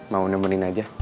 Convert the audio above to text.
mau nemerin aja